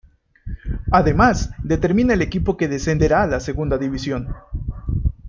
Además, determina el equipo que descenderá a la segunda división.